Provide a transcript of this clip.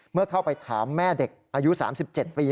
เมื่อเข้าไปถามแม่เด็กอายุ๓๗ปี